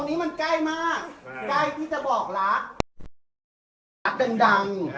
เอาอีกเร็ว